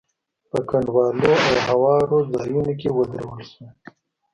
په کنډوالو او هوارو ځايونو کې ودرول شول.